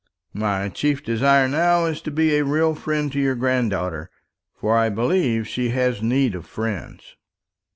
My chief desire now is to be a real friend to your granddaughter; for I believe she has need of friends."